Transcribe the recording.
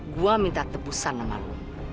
gua minta tebusan sama lu